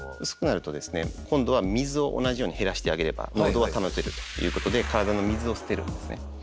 薄くなるとですね今度は水を同じように減らしてあげれば濃度は保てるということで体の水を捨てるんですね。